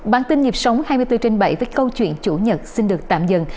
bản tin nhịp sống hai mươi bốn trên bảy với câu chuyện chủ nhật xin được tạm dừng